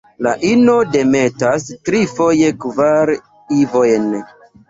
La ino demetas tri, foje kvar, ovojn.